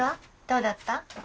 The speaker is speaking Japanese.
どうだった？